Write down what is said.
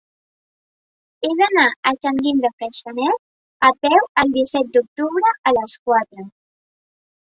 He d'anar a Sant Guim de Freixenet a peu el disset d'octubre a les quatre.